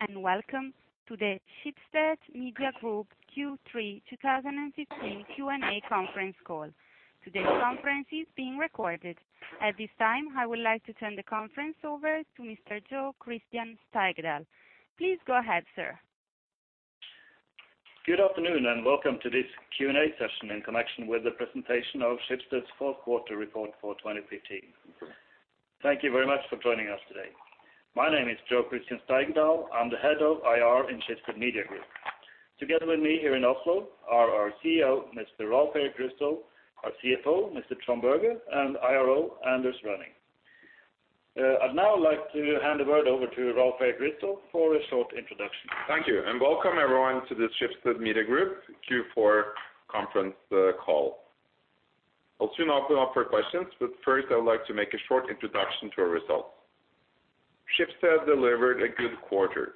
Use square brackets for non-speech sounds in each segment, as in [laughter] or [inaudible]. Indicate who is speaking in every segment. Speaker 1: Good day, and welcome to the Schibsted Media Group Q3 2015 Q&A conference call. Today's conference is being recorded. At this time, I would like to turn the conference over to Mr. Jo Christian Steigedal. Please go ahead, sir.
Speaker 2: Good afternoon and welcome to this Q&A session in connection with the presentation of Schibsted's fourth quarter report for 2015. Thank you very much for joining us today. My name is Jo Christian Steigedal. I'm the Head of IR in Schibsted Media Group. Together with me here in Oslo are our CEO, Mr. Rolv Erik Ryssdal, our CFO, Mr. Trond Berger, and IRO, Anders Rønning. I'd now like to hand the word over to Rolv Erik Ryssdal for a short introduction.
Speaker 3: Thank you, and welcome everyone to this Schibsted Media Group Q4 conference call. I'll soon open up for questions, first I would like to make a short introduction to our results. Schibsted delivered a good quarter.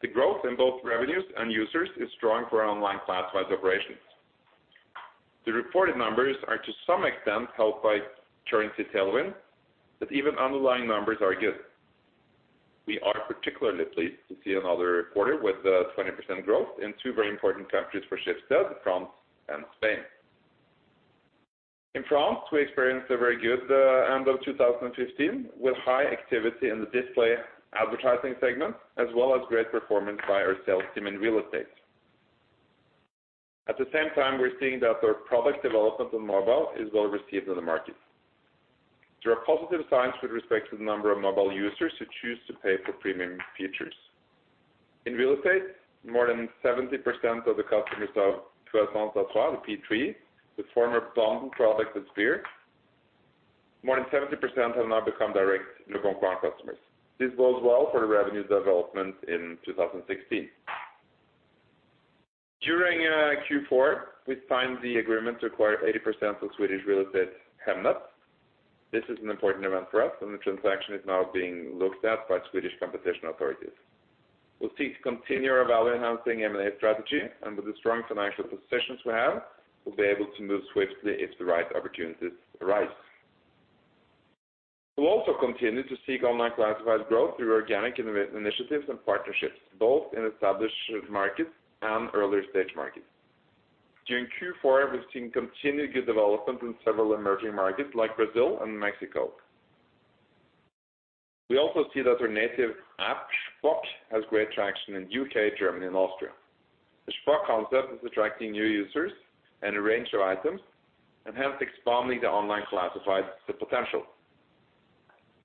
Speaker 3: The growth in both revenues and users is strong for our online classified operations. The reported numbers are to some extent helped by currency tailwind, even underlying numbers are good. We are particularly pleased to see another quarter with 20% growth in two very important countries for Schibsted, France and Spain. In France, we experienced a very good end of 2015, with high activity in the display advertising segment, as well as great performance by our sales team in real estate. At the same time, we're seeing that their product development on mobile is well received in the market. There are positive signs with respect to the number of mobile users who choose to pay for premium features. In real estate, more than 70% of the customers of Puissance Trois, the P3, the former [Plon product Sphere], more than 70% have now become direct leboncoin customers. This bodes well for the revenue development in 2016. During Q4, we signed the agreement to acquire 80% of Swedish real estate Hemnet. This is an important event for us, and the transaction is now being looked at by Swedish competition authorities. We'll seek to continue our value-enhancing M&A strategy, and with the strong financial positions we have, we'll be able to move swiftly if the right opportunities arise. We'll also continue to seek online classified growth through organic initiatives and partnerships, both in established markets and earlier stage markets. During Q4, we've seen continued good development in several emerging markets like Brazil and Mexico. We also see that our native app, Shpock, has great traction in U.K., Germany and Austria. The Shpock concept is attracting new users and a range of items, and hence expanding the online classifieds potential.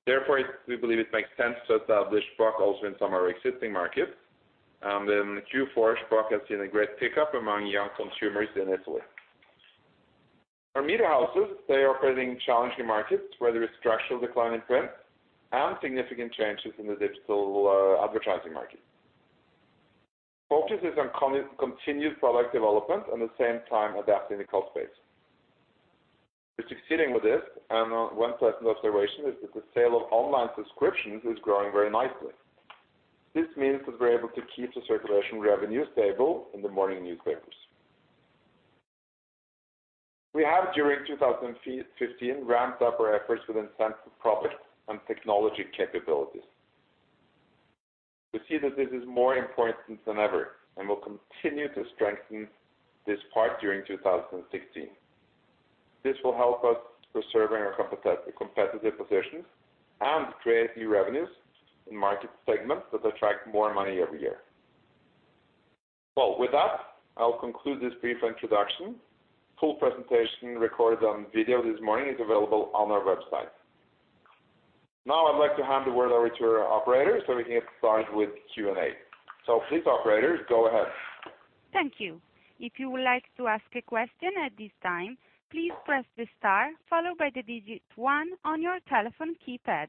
Speaker 3: We believe it makes sense to establish Shpock also in some of our existing markets, and in Q4, Shpock has seen a great pickup among young consumers in Italy. Our media houses, they operate in challenging markets where there is structural decline in print and significant changes in the digital advertising market. Focus is on continued product development, at the same time adapting the cost base. We're succeeding with this. One pleasant observation is that the sale of online subscriptions is growing very nicely. This means that we're able to keep the circulation revenue stable in the morning newspapers. We have during 2015 ramped up our efforts within central product and technology capabilities. We see that this is more important than ever. We'll continue to strengthen this part during 2016. This will help us preserving our competitive positions and create new revenues in market segments that attract more money every year. Well, with that, I'll conclude this brief introduction. Full presentation recorded on video this morning is available on our website. Now I'd like to hand the word over to our operator so we can get started with Q&A. Please, operator, go ahead.
Speaker 1: Thank you. If you would like to ask a question at this time, please press the star followed by the digit one on your telephone keypad.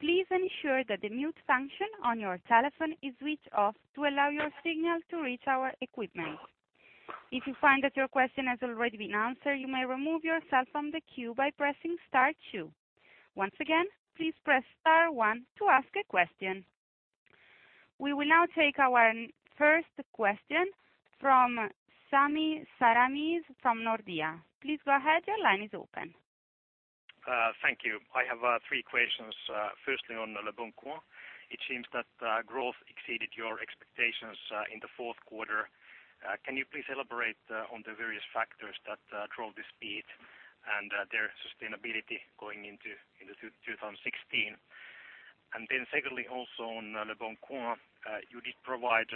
Speaker 1: Please ensure that the mute function on your telephone is switched off to allow your signal to reach our equipment. If you find that your question has already been answered, you may remove yourself from the queue by pressing star two. Once again, please press star one to ask a question. We will now take our first question from Sami Sarkamies from Nordea. Please go ahead, your line is open.
Speaker 4: Thank you. I have three questions. Firstly on leboncoin. It seems that growth exceeded your expectations in the fourth quarter. Can you please elaborate on the various factors that drove the speed and their sustainability going into 2016? Secondly, also on leboncoin, you did provide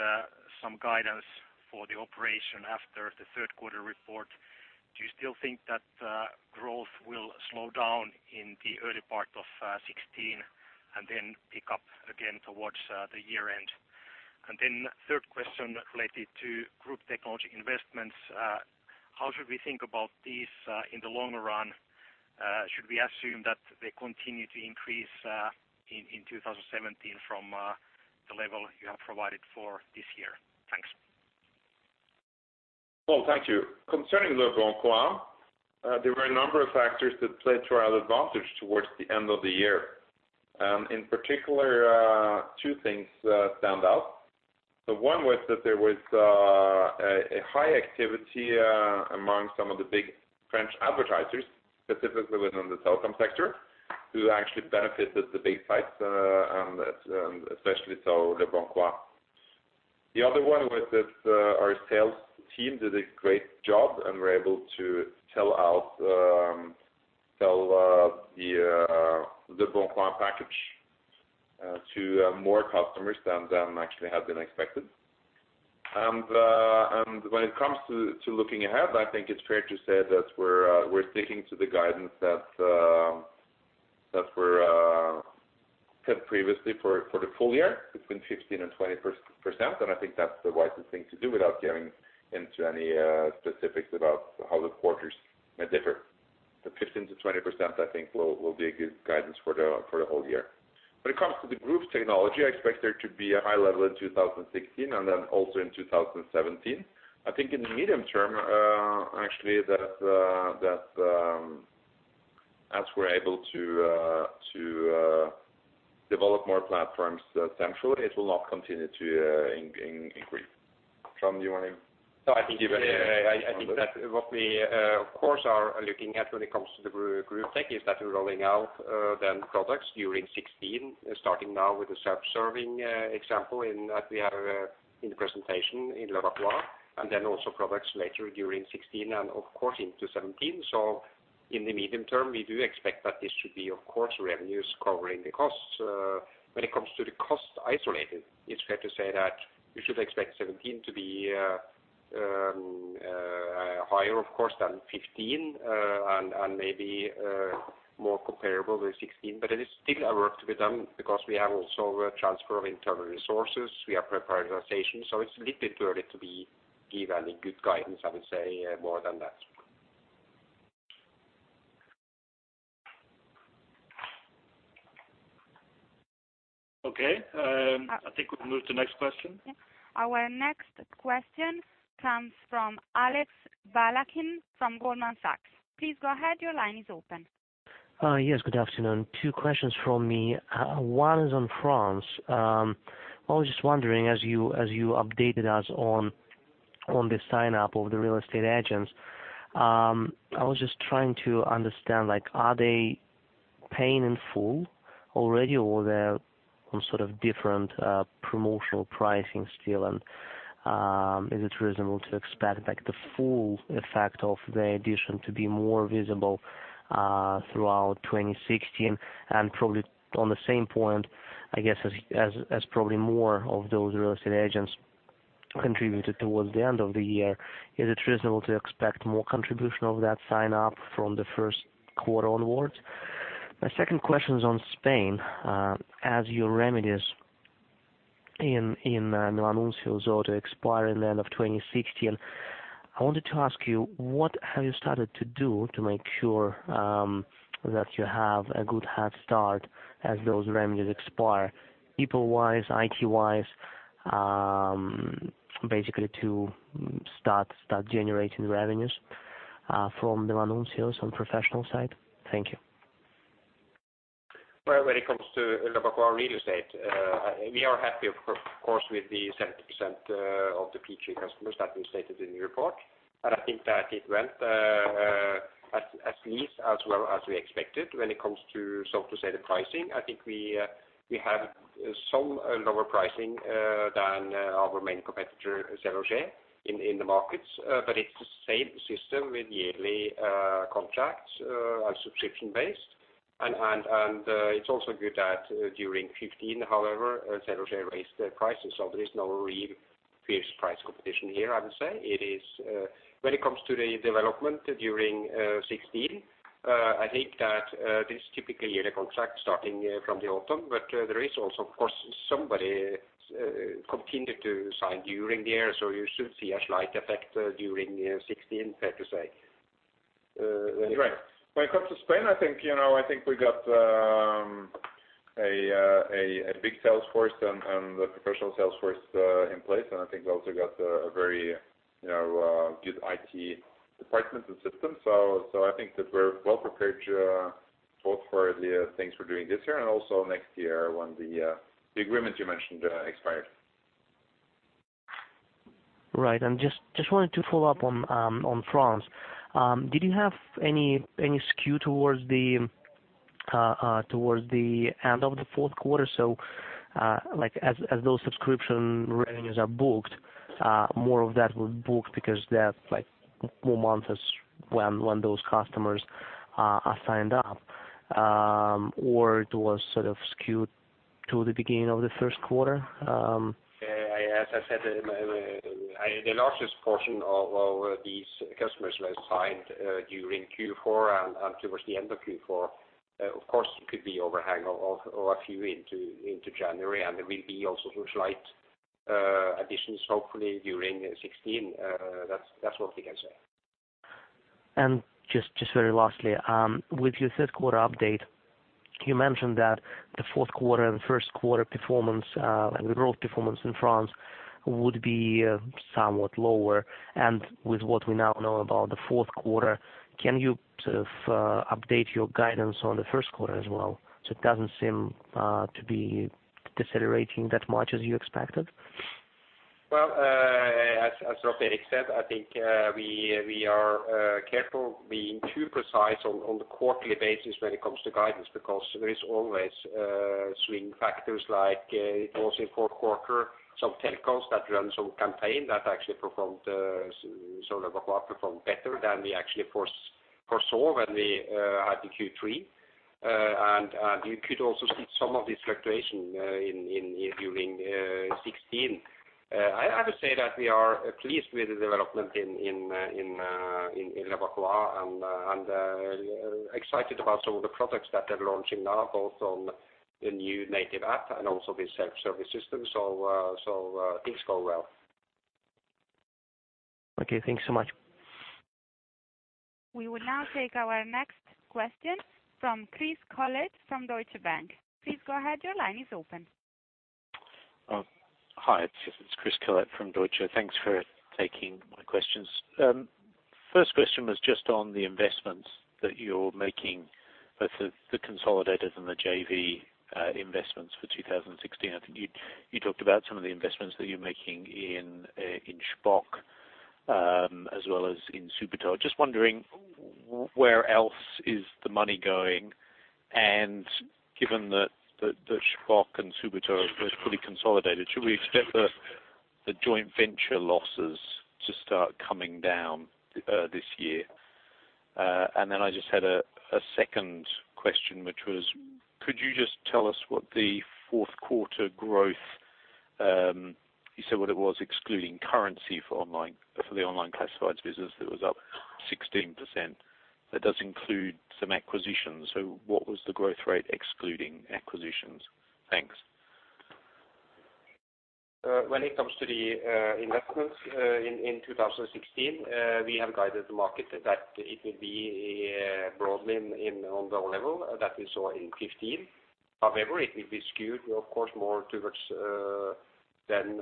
Speaker 4: some guidance for the operation after the third quarter report. Do you still think that growth will slow down in the early part of 2016 and then pick up again towards the year-end? Third question related to group technology investments. How should we think about these in the longer run? Should we assume that they continue to increase in 2017 from the level you have provided for this year? Thanks.
Speaker 3: Well, thank you. Concerning leboncoin, there were a number of factors that played to our advantage towards the end of the year. In particular, two things stand out. One was that there was a high activity among some of the big French advertisers, specifically within the telecom sector, who actually benefited the big sites, and especially so leboncoin. The other one was that our sales team did a great job and were able to sell out, sell the leboncoin package to more customers than actually had been expected. When it comes to looking ahead, I think it's fair to say that we're sticking to the guidance that we had previously for the full year between 15% and 20%. I think that's the wisest thing to do without getting into any specifics about how the quarters may differ. The 15%-20%, I think will be a good guidance for the whole year. When it comes to the group technology, I expect there to be a high level in 2016 and then also in 2017. I think in the medium term, actually that, as we're able to develop more platforms, centrally, it will not continue to increase. Trond, do you want to-
Speaker 5: No, I think, yeah, I think that what we, of course, are looking at when it comes to the group tech is that we're rolling out then products during 2016, starting now with the self-serve example in that we have in the presentation in leboncoin, and then also products later during 2016 and of course into 2017. In the medium term, we do expect that this should be of course revenues covering the costs. When it comes to the cost isolated, it's fair to say that we should expect 2017 to be higher of course than 2015, and maybe more comparable with 2016. It is still a work to be done because we have also a transfer of internal resources. We have prioritization. It's a little bit too early to be give any good guidance, I would say, more than that.
Speaker 3: I think we'll move to next question.
Speaker 1: Our next question comes from Alex Balakhnin from Goldman Sachs. Please go ahead. Your line is open.
Speaker 6: Yes, good afternoon. Two questions from me. One is on France. I was just wondering as you updated us on the sign-up of the real estate agents, I was just trying to understand, like, are they paying in full already or they're on sort of different promotional pricing still? Is it reasonable to expect, like, the full effect of the addition to be more visible throughout 2016? Probably on the same point, I guess as probably more of those real estate agents contributed towards the end of the year, is it reasonable to expect more contribution of that sign-up from the first quarter onwards? My second question is on Spain. As your remedies in Milanuncios are to expire in the end of 2016, I wanted to ask you, what have you started to do to make sure that you have a good head start as those remedies expire people-wise, IT-wise, basically to start generating revenues from Milanuncios on professional side? Thank you.
Speaker 5: Well, when it comes to leboncoin real estate, we are happy of course with the 70% of the P3 customers that we stated in the report. I think that it went at least as well as we expected when it comes to, so to say the pricing. I think we have some lower pricing than our main competitor, SeLoger, in the markets. It's the same system with yearly contracts and subscription based. And it's also good that during 2015 however, SeLoger raised their prices, so there is no real fierce price competition here, I would say. It is, when it comes to the development during 16, I think that this typically yearly contract starting from the autumn, there is also of course somebody continue to sign during the year, you should see a slight effect during 2016, fair to say.
Speaker 3: You're right. When it comes to Spain, I think, you know, I think we got a big sales force and the professional sales force in place. I think we also got a very, you know, good IT department and system. I think that we're well prepared to both for the things we're doing this year and also next year when the agreement you mentioned expires.
Speaker 6: Right. Just wanted to follow up on France. Did you have any skew towards the end of the fourth quarter? Like as those subscription revenues are booked, more of that were booked because that's like more months is when those customers are signed up, or it was sort of skewed to the beginning of the first quarter?
Speaker 5: Yeah. As I said, the largest portion of these customers was signed during Q4 and towards the end of Q4. Of course, it could be overhang of a few into January, and there will be also some slight additions hopefully during 2016. That's what we can say.
Speaker 6: Just very lastly, with your third quarter update, you mentioned that the fourth quarter and first quarter performance, like the growth performance in France would be somewhat lower. With what we now know about the fourth quarter, can you sort of update your guidance on the first quarter as well? It doesn't seem to be decelerating that much as you expected.
Speaker 5: As Rolv Erik said, I think we are careful being too precise on the quarterly basis when it comes to guidance because there is always swing factors like it was in fourth quarter, some telcos that run some campaign that actually performed sort of a quarter performed better than we actually foresaw when we had the Q3. You could also see some of this fluctuation in— during 2016. I would say that we are pleased with the development in leboncoin and excited about some of the products that they're launching now, both on the new native app and also the self-service system. Things go well.
Speaker 6: Okay, thanks so much.
Speaker 1: We will now take our next question from Chris Collett from Deutsche Bank. Please go ahead, your line is open.
Speaker 7: Hi, it's Chris Collett from Deutsche. Thanks for taking my questions. First question was just on the investments that you're making, both the consolidators and the JV investments for 2016. I think you talked about some of the investments that you're making in Shpock as well as in Subito. Just wondering where else is the money going? Given that the Shpock and Subito are both fully consolidated, should we expect the joint venture losses to start coming down this year? Then I just had a second question, which was could you just tell us what the fourth quarter growth, you said what it was excluding currency for online, for the online classifieds business that was up 16%. That does include some acquisitions. What was the growth rate excluding acquisitions? Thanks.
Speaker 5: When it comes to the investments in 2016, we have guided the market that it will be broadly on the level that we saw in 2015. However, it will be skewed, of course, more towards then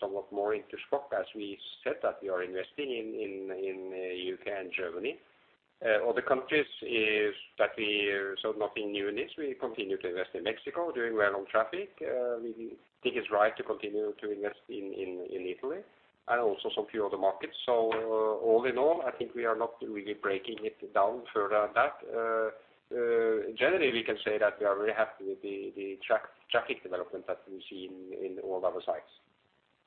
Speaker 5: somewhat more into Shpock as we said that we are investing in U.K. and Germany. Other countries is that we are sort of not in new units. We continue to invest in Mexico, doing well on traffic. We think it's right to continue to invest in Italy and also some few other markets. All in all, I think we are not really breaking it down further than that. Generally, we can say that we are very happy with the traffic development that we see in all our sites.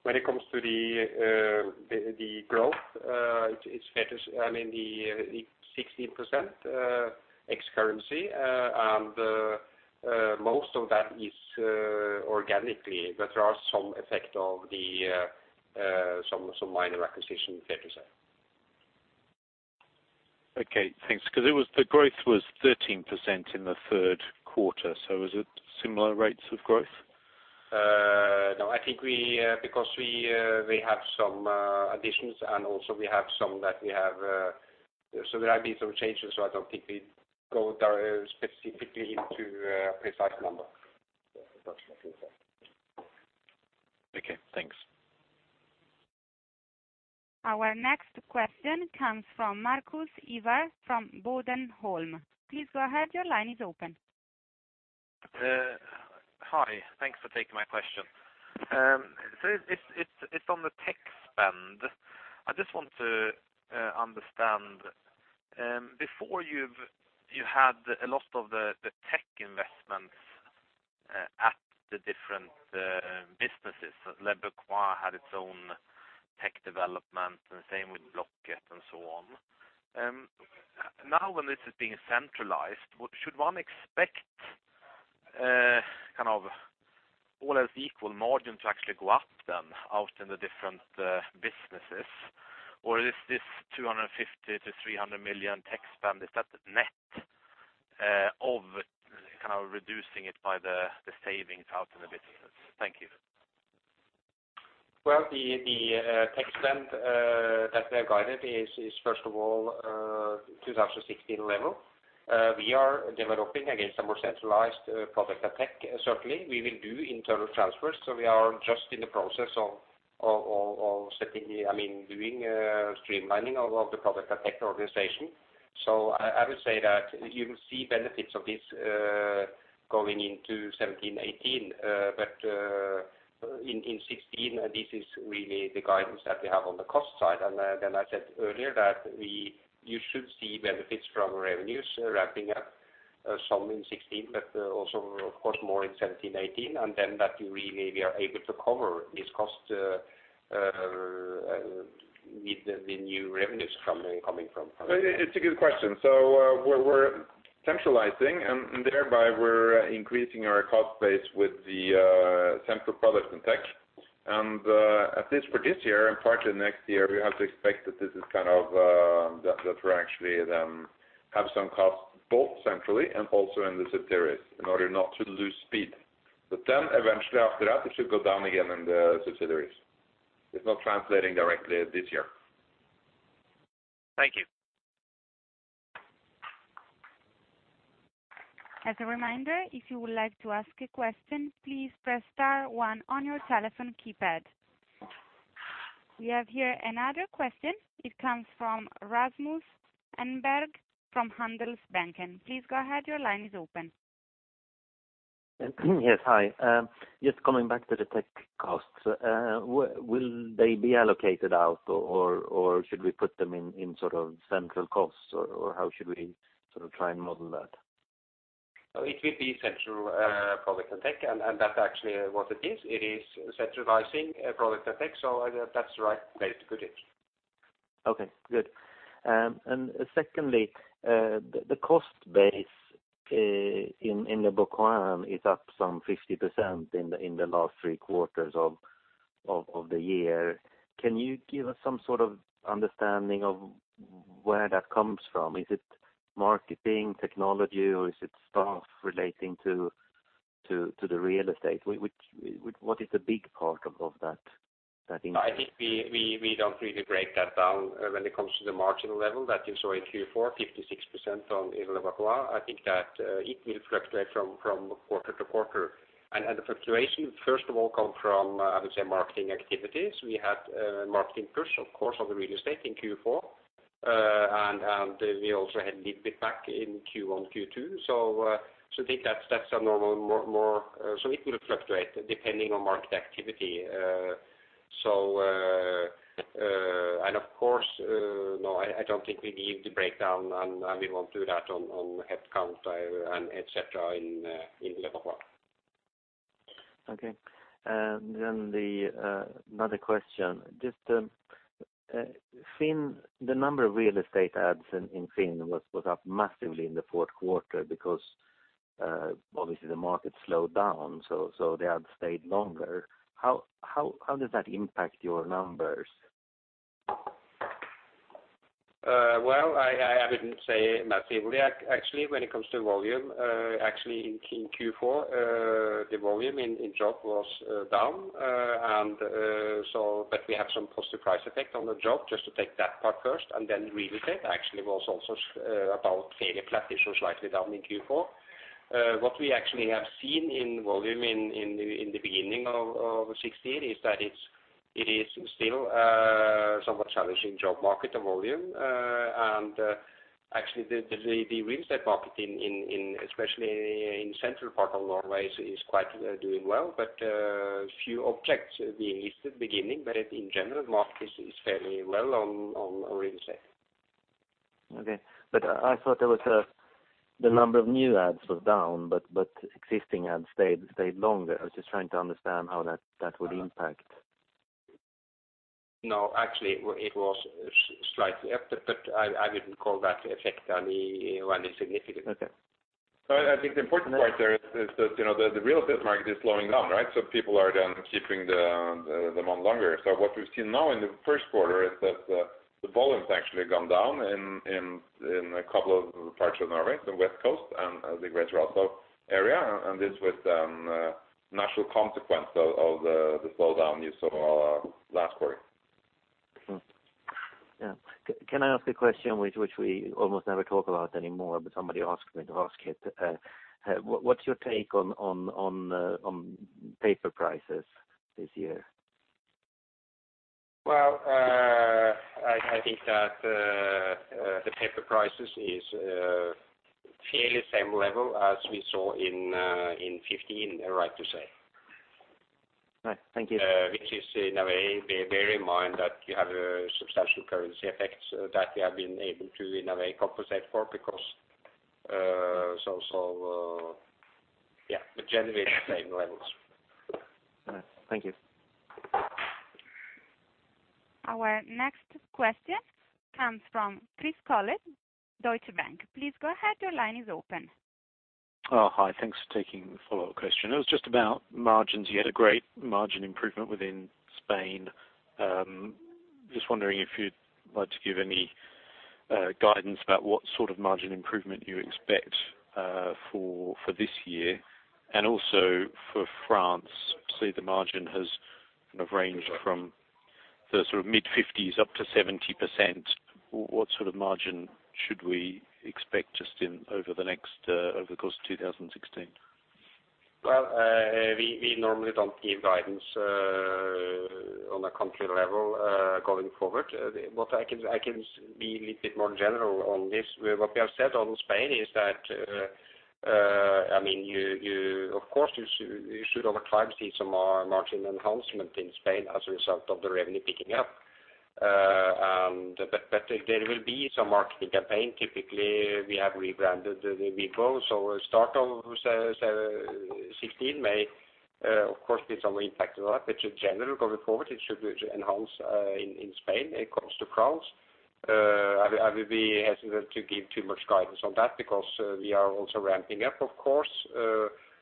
Speaker 5: When it comes to the growth, it's fair to say, I mean, the 16% ex-currency, and most of that is organically, but there are some effect of the some minor acquisition, fair to say.
Speaker 7: Okay, thanks. It was the growth was 13% in the third quarter. Is it similar rates of growth?
Speaker 5: No, I think we, because we have some additions, and also we have some that we have. There have been some changes. I don't think we go specifically into a precise number.
Speaker 7: Okay, thanks.
Speaker 1: Our next question comes from Markus Iwar from Bodenholm. Please go ahead, your line is open.
Speaker 8: Hi. Thanks for taking my question. It's on the tech spend. I just want to understand, before you had a lot of the tech investments at the different businesses. Leboncoin had its own tech development and same with Blocket and so on. When this is being centralized, what should one expect kind of all else equal margin to actually go up then out in the different businesses? Is this 250 million-300 million tech spend, is that net of kind of reducing it by the savings out in the business? Thank you.
Speaker 5: Well, the tech spend that we have guided is first of all 2016 level. We are developing against a more centralized product and tech. Certainly, we will do internal transfers. We are just in the process of setting, I mean, doing streamlining of the product and tech organization. I would say that you will see benefits of this going into 2017, 2018. In 2016, this is really the guidance that we have on the cost side. I said earlier that you should see benefits from revenues ramping up some in 2016, also of course more in 2017, 2018, that we maybe are able to cover these costs with the new revenues coming from.
Speaker 3: It's a good question. We're centralizing and thereby we're increasing our cost base with the central product and tech. For this year and partly next year, we have to expect that this is kind of that we're actually have some costs both centrally and also in the subsidiaries in order not to lose speed. Eventually after that, it should go down again in the subsidiaries. It's not translating directly this year.
Speaker 8: Thank you.
Speaker 1: As a reminder, if you would like to ask a question, please press star one on your telephone keypad. We have here another question. It comes from Rasmus Engberg from Handelsbanken. Please go ahead. Your line is open.
Speaker 9: Yes. Hi. Just coming back to the tech costs. Will they be allocated out or should we put them in sort of central costs? Or how should we sort of try and model that?
Speaker 5: Oh, it will be central, product and tech, and that's actually what it is. It is centralizing, product and tech, so that's the right way to put it.
Speaker 9: Okay, good. Secondly, the cost base in leboncoin is up some 50% in the last three quarters of the year. Can you give us some sort of understanding of where that comes from? Is it marketing, technology, or is it staff relating to the real estate? What is the big part of that increase?
Speaker 5: I think we don't really break that down, when it comes to the margin level that you saw in Q4, 56% on, in leboncoin. I think that it will fluctuate from quarter-to-quarter. The fluctuation, first of all, come from I would say, marketing activities. We had marketing push, of course, on the real estate in Q4. We also had a little bit back in Q1 and Q2. So I think that's a normal. It will fluctuate depending on market activity. Of course, no, I don't think we give the breakdown and we won't do that on headcount and et cetera in leboncoin.
Speaker 9: Okay. Then another question. Just FINN, the number of real estate ads in FINN was up massively in the fourth quarter because obviously the market slowed down, so the ad stayed longer. How does that impact your numbers?
Speaker 5: Well, I wouldn't say massively actually, when it comes to volume. Actually, in Q4, the volume in job was down. But we have some positive price effect on the job, just to take that part first. Real estate actually was also about fairly flat. It shows slightly down in Q4. What we actually have seen in volume in the beginning of 2016 is that it is still somewhat challenging job market, the volume. Actually, the real estate market in— especially in central part of Norway is quite doing well. Few objects being listed beginning, but in general, market is fairly well on real estate.
Speaker 9: Okay. I thought there was a... The number of new ads was down, but existing ads stayed longer. I was just trying to understand how that would impact?
Speaker 5: No, actually it was slightly up, but I wouldn't call that effect any significant.
Speaker 9: Okay.
Speaker 3: I think the important part there is that, you know, the real estate market is slowing down, right? People are then keeping them on longer. What we've seen now in the first quarter is that the volume's actually gone down in a couple of parts of Norway, the west coast and the Greater Oslo area. This was a natural consequence of the slowdown you saw last quarter.
Speaker 9: Yeah. Can I ask a question which we almost never talk about anymore, but somebody asked me to ask it. What's your take on paper prices this year?
Speaker 5: Well, I think that the paper prices is fairly same level as we saw in 2015, right to say.
Speaker 9: All right. Thank you.
Speaker 5: Which is in a way, bear in mind that you have a substantial currency effects that we have been able to, in a way, compensate for because. Generally the same levels.
Speaker 9: All right. Thank you.
Speaker 1: Our next question comes from Chris Collett, Deutsche Bank. Please go ahead. Your line is open.
Speaker 7: Oh, hi. Thanks for taking the follow-up question. It was just about margins. You had a great margin improvement within Spain. Just wondering if you'd like to give any guidance about what sort of margin improvement you expect for this year and also for France. Obviously, the margin has kind of ranged from the sort of mid-50s up to 70%. What sort of margin should we expect just over the next— over the course of 2016?
Speaker 5: Well, we normally don't give guidance on a country level going forward. What I can be a little bit more general on this. What we have said on Spain is that, I mean, you should over time see some margin enhancement in Spain as a result of the revenue picking up. There will be some marketing campaign. Typically, we have rebranded the Vibbo. Start of 2016 may, of course, be some impact to that. In general, going forward, it should enhance in Spain. When it comes to France, I would be hesitant to give too much guidance on that because we are also ramping up, of course,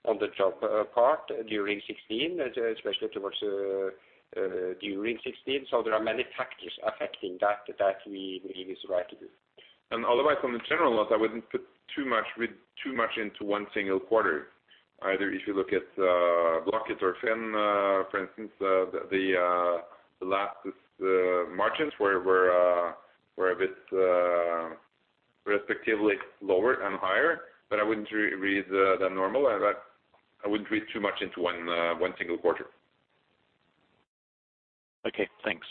Speaker 5: on the job part during 2016, especially towards, during 2016. There are many factors affecting that we need to see [how it goes].
Speaker 3: Otherwise, on a general note, I wouldn't put too much, read too much into one single quarter. Either if you look at Blocket or FINN, for instance, the last margins were a bit respectively lower and higher, but I wouldn't read the normal. I wouldn't read too much into one single quarter.
Speaker 7: Okay, thanks.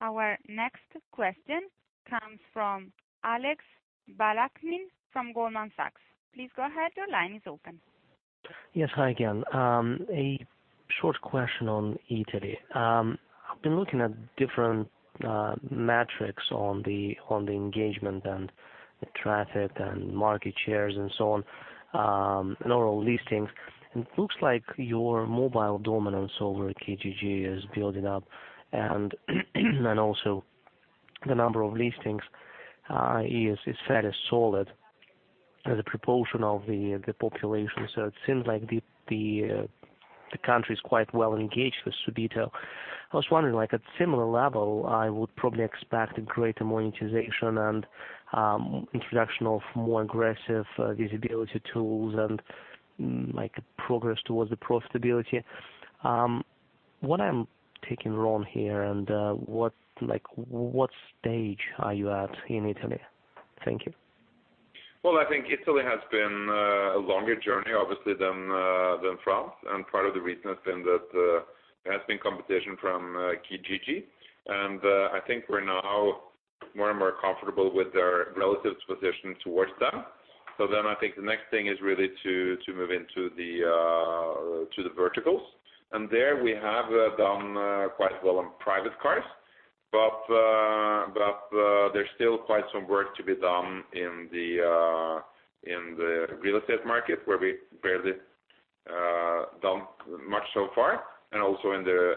Speaker 1: Our next question comes from Alex Balakhnin from Goldman Sachs. Please go ahead. Your line is open.
Speaker 6: Yes. Hi again. A short question on Italy. I've been looking at different metrics on the engagement and the traffic and market shares and so on, and overall listings. It looks like your mobile dominance over Kijiji is building up. Also the number of listings is fairly solid as a proportion of the population. It seems like the country is quite well engaged with Subito. I was wondering, like, at similar level, I would probably expect a greater monetization and introduction of more aggressive visibility tools and like progress towards the profitability. What I'm taking wrong here, and what stage are you at in Italy? Thank you.
Speaker 3: Well, I think Italy has been a longer journey, obviously, than France. Part of the reason has been that there has been competition from Kijiji. I think we're now more and more comfortable with their relative position towards them. I think the next thing is really to move into the verticals. There we have done quite well on private cars. There's still quite some work to be done in the real estate market where we barely done much so far and also in the—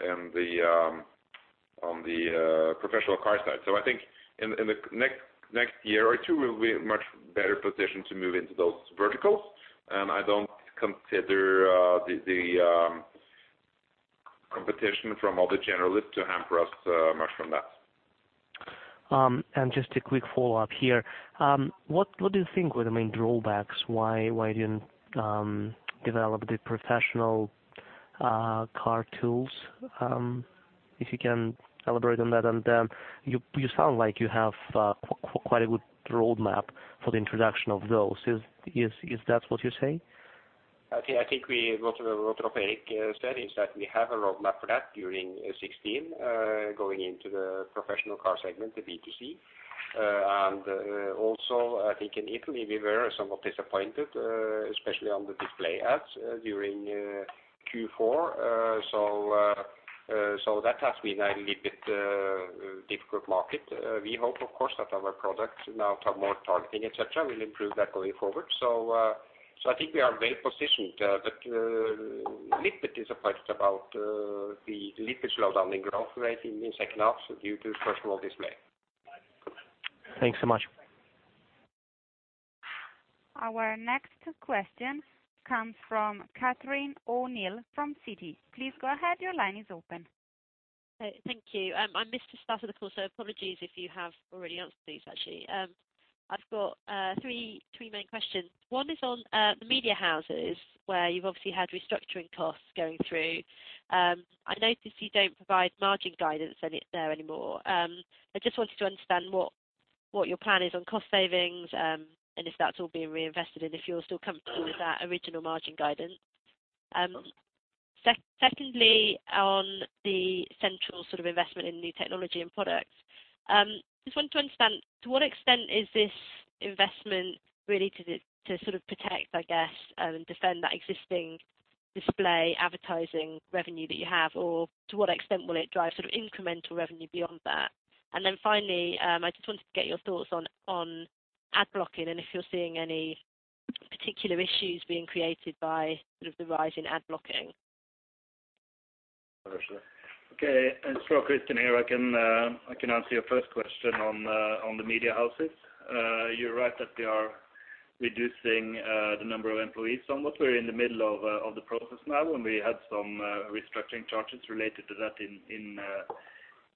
Speaker 3: on the professional car side. I think in the next year or two, we'll be much better positioned to move into those verticals. I don't consider the competition from other generalists to hamper us much from that.
Speaker 6: Just a quick follow-up here. What do you think were the main drawbacks? Why you didn't develop the professional car tools? If you can elaborate on that, and then you sound like you have quite a good roadmap for the introduction of those. Is that what you're saying?
Speaker 5: I think what Erik said is that we have a roadmap for that during 2016, going into the professional car segment, the B2C. Also, I think in Italy, we were somewhat disappointed, especially on the display ads during Q4. That has been a little bit difficult market. We hope, of course, that our products now have more targeting, et cetera, will improve that going forward. I think we are well-positioned, but little bit disappointed about the little slow down in growth rate in the second half due to personal display.
Speaker 6: Thanks so much.
Speaker 1: Our next question comes from Catherine O'Neill from Citi. Please go ahead. Your line is open.
Speaker 10: Thank you. I missed the start of the call, apologies if you have already answered these, actually. I've got three main questions. One is on the media houses where you've obviously had restructuring costs going through. I notice you don't provide margin guidance there anymore. I just wanted to understand what your plan is on cost savings, and if that's all being reinvested and if you're still comfortable with that original margin guidance. Secondly, on the central sort of investment in new technology and products, just want to understand, to what extent is this investment really to sort of protect, I guess, defend that existing display advertising revenue that you have, or to what extent will it drive sort of incremental revenue beyond that? Finally, I just wanted to get your thoughts on ad blocking and if you're seeing any particular issues being created by sort of the rise in ad blocking.
Speaker 2: Okay. Jo Christian here. I can answer your first question on the media houses. You're right that we are reducing, the number of employees somewhat. We're in the middle of the process now. We had some restructuring charges related to that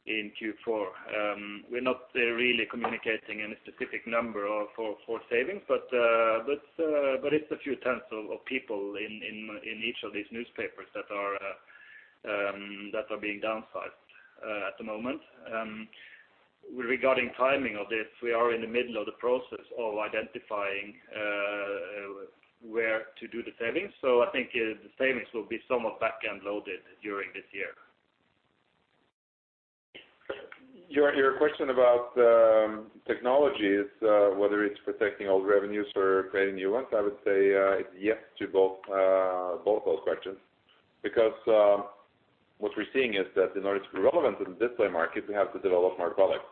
Speaker 2: in Q4. We're not really communicating any specific number for savings, but it's a few tens of people in each of these newspapers that are being downsized at the moment. Regarding timing of this, we are in the middle of the process of identifying, where to do the savings. I think the savings will be somewhat back-end-loaded during this year.
Speaker 3: Your question about technology is whether it's protecting old revenues or creating new ones. I would say, it's yes to both those questions. What we're seeing is that in order to be relevant in the display market, we have to develop more products.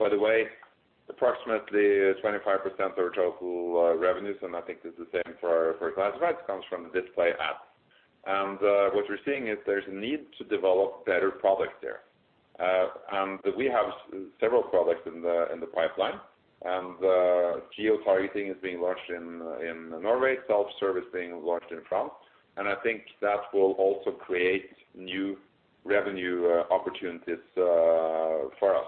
Speaker 3: By the way, approximately 25% of our total revenues, and I think it's the same for classifieds, comes from the display ads. What we're seeing is there's a need to develop better products there. We have several products in the pipeline. Geo-targeting is being launched in Norway, self-service being launched in France. I think that will also create new revenue opportunities for us.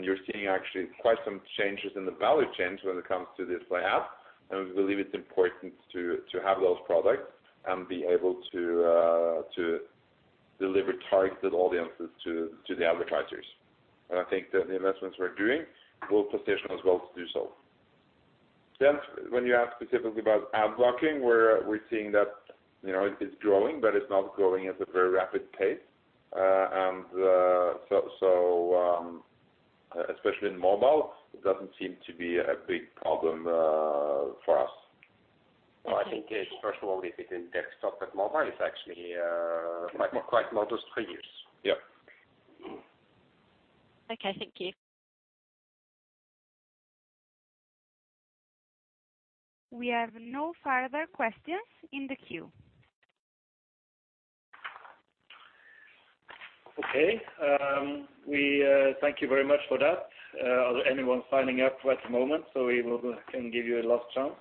Speaker 3: You're seeing actually quite some changes in the value chains when it comes to display ads. We believe it's important to have those products and be able to deliver targeted audiences to the advertisers. I think that the investments we're doing will position us well to do so. When you ask specifically about ad blocking, we're seeing that, you know, it's growing, but it's not growing at a very rapid pace. Especially in mobile, it doesn't seem to be a big problem for us.
Speaker 5: I think it's first of all, if it's in desktop and mobile, it's actually quite modest for use.
Speaker 3: Yeah.
Speaker 10: Okay, thank you.
Speaker 1: We have no further questions in the queue.
Speaker 2: We thank you very much for that. Anyone signing up at the moment so we can give you a last chance.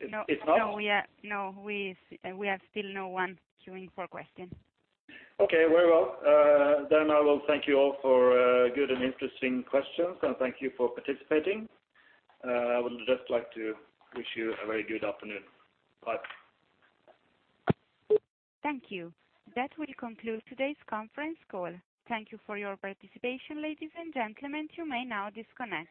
Speaker 2: [crosstalk]
Speaker 1: No, we have still no one queuing for questions.
Speaker 2: Okay, very well. I will thank you all for good and interesting questions, and thank you for participating. I would just like to wish you a very good afternoon. Bye.
Speaker 1: Thank you. That will conclude today's conference call. Thank you for your participation, ladies and gentlemen. You may now disconnect.